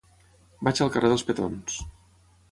Vaig al carrer dels Petons.